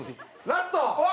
ラスト！